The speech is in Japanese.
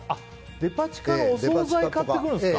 デパ地下のお総菜を買ってくるんですか。